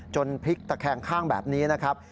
พลิกตะแคงข้างแบบนี้นะครับ